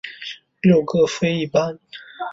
六各飞一班。